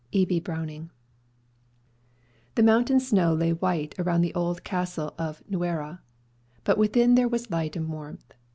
B. Browning. The mountain snow lay white around the old castle of Nuera; but within there was light and warmth.